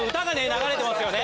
流れてますよね。